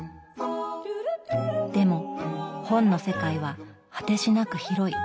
でも本の世界は果てしなく広い。